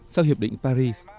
sau hiệp định paris